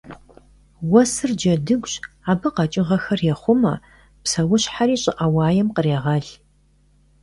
Уэсыр джэдыгущ: абы къэкӏыгъэхэр ехъумэ, псэущхьэри щӏыӏэ уаем кърегъэл.